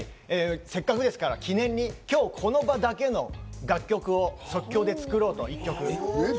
皆さんにせっかくですから、記念に今日、この場だけの曲を即興で作ろうと。